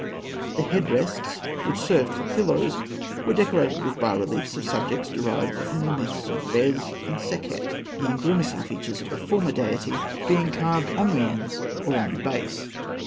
The head rests, which served for pillows, were decorated with bas reliefs of subjects derived from the myths of Bes and Sekhet, the grimacing features of the former deity being carved on the ends or on the base.